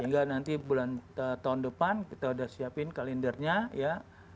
hingga nanti bulan tahun depan kita sudah siapin kalendernya ya